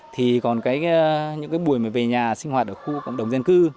thì còn những buổi về nhà sinh hoạt ở khu cộng đồng dân cư